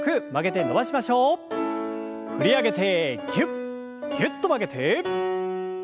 振り上げてぎゅっぎゅっと曲げて。